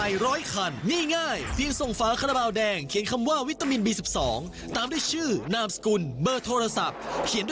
ต้องเป็นสิบบาทเท่าเดิมแต่ได้รุ่นมากกว่าเดิม